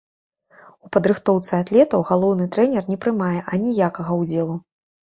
У падрыхтоўцы атлетаў галоўны трэнер не прымае аніякага ўдзелу.